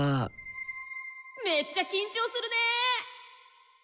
めっちゃ緊張するね。